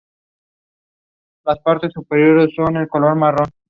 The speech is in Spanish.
Cumplió su promesa, tras vencer una serie de dificultades.